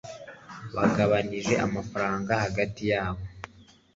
bagabanije amafaranga hagati yabo